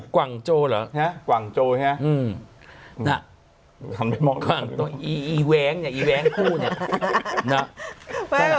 กว่างโจเหรอนะทำได้มองนะอีแวงเนี่ยอีแวงคู่เนี่ย